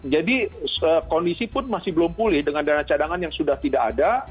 jadi kondisi pun masih belum pulih dengan dana cadangan yang sudah tidak ada